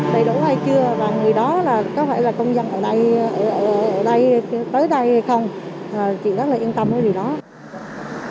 đầy đủ hay chưa và người đó có phải là công dân ở đây tới đây hay không chị rất là yên tâm với người đó